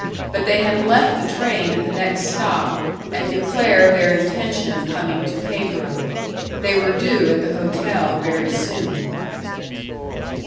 But they had left the train at the next stop, and declared their intention of coming to Pedro. They were due at the hotel very soon.